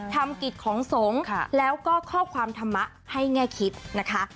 กิจของสงฆ์แล้วก็ข้อความธรรมะให้แง่คิดนะคะ